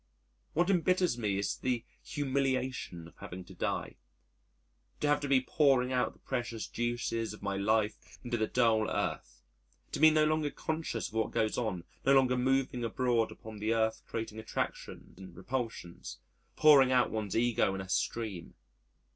What embitters me is the humiliation of having to die, to have to be pouring out the precious juices of my life into the dull Earth, to be no longer conscious of what goes on, no longer moving abroad upon the Earth creating attraction and repulsions, pouring out one's ego in a stream.